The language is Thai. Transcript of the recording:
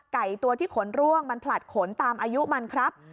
ไก่ตัวที่ขนร่วงมันผลัดขนตามอายุมันครับ